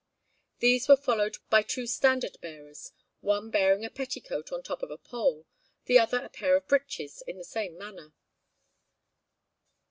These were followed by two standard bearers, one bearing a petticoat on top of a pole, the other a pair of breeches in the same manner.